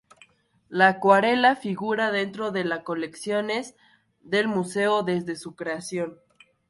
La acuarela figura dentro de las colecciones del museo desde su creación.